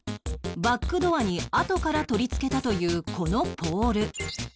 バックドアにあとから取り付けたというこのポール